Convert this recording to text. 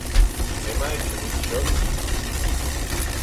Bremaik e vo tomm dimp.